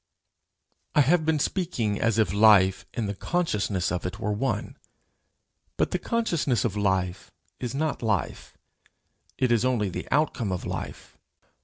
I have been speaking as if life and the consciousness of it were one; but the consciousness of life is not life; it is only the outcome of life.